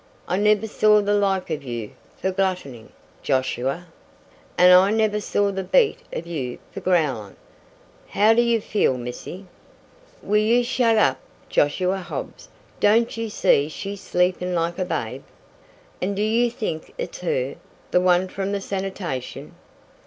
"I never saw the like of you fer gluttonin', Josiah!" "And I never saw the beat of you fer growlin'. How do you feel, missy?" "Will you shet up? Josiah Hobbs! Don't you see she's sleepin' like a babe?" "And do you think it's her? The one from the sanitation?"